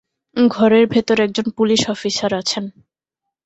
ঘরের ভেতর একজন পুলিশ অফিসার আছেন।